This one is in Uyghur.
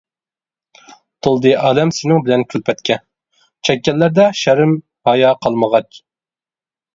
تولدى ئالەم سېنىڭ بىلەن كۈلپەتكە، چەككەنلەردە شەرم-ھايا قالمىغاچ.